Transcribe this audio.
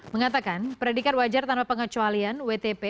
mengatakan predikat wajar tanpa pengecualian wtp